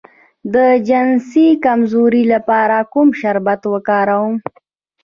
د جنسي کمزوری لپاره کوم شربت وکاروم؟